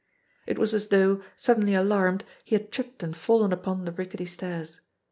It was as though, suddenly alarmed, he had tripped and fallen upon the rickety stairs.